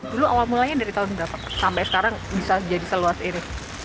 dulu awal mulanya dari tahun berapa sampai sekarang bisa jadi seluas ini